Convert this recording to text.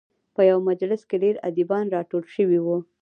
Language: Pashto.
په یوه مجلس کې ډېر ادیبان راټول شوي وو.